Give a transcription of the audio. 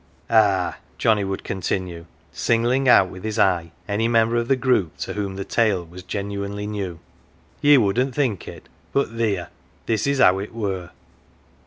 " Ah," Johnnie would continue, singling out with his eye any member of the group to whom the tale was genuinely new, " ye wouldn't think it but theer ! This is how it were.